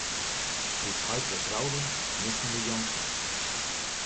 Doe't heit wer troude, misten we Jantsje.